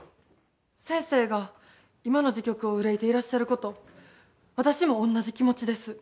先生が今の時局を憂いていらっしゃること私も同じ気持ちです。